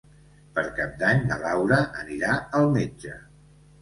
Per Cap d'Any na Laura anirà al metge.